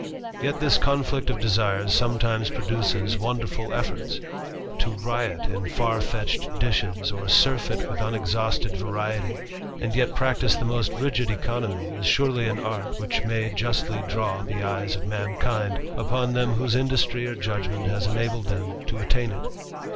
Yet this conflict of desires sometimes produces wonderf^jj efforts. To riot in far fetched dishes, or surfeit with unexhausted variety, and yet practise the most ri^md economy, is surely an art which may justly draw the of mankind upon them whose industry or judgment enabled them to attain it.